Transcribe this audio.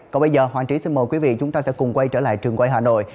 còn bây giờ hoàng trí xin mời quý vị chúng ta sẽ cùng quay trở lại trường quay hà nội